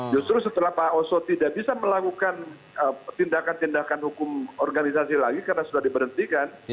justru setelah pak oso tidak bisa melakukan tindakan tindakan hukum organisasi lagi karena sudah diberhentikan